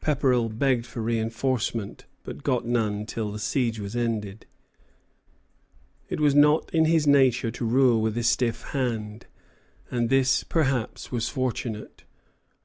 Pepperrell begged for reinforcements, but got none till the siege was ended. It was not his nature to rule with a stiff hand, and this, perhaps, was fortunate.